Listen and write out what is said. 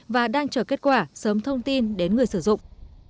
và đang chờ kết quả sớm thông tin đến người sử dụng